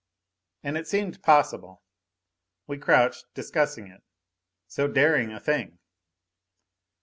And it seemed possible. We crouched, discussing it. So daring a thing!